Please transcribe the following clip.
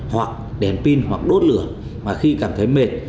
hoặc đèn pin hoặc đốt lửa mà khi cảm thấy mệt